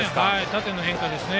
縦の変化ですね。